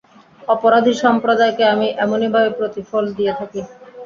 অপরাধী সম্প্রদায়কে আমি এমনিভাবে প্রতিফল দিয়ে থাকি।